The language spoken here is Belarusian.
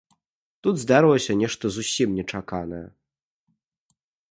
Тут здарылася нешта зусім нечаканае.